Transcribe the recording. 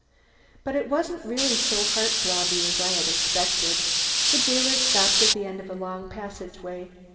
But it wasn't really so heart throbby as I had expected. The jailer stopped at the end of a long passageway.